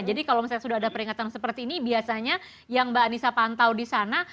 jadi kalau misalnya sudah ada peringatan seperti ini biasanya yang mbak anissa pantau di sana